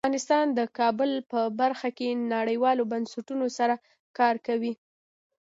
افغانستان د کابل په برخه کې نړیوالو بنسټونو سره کار کوي.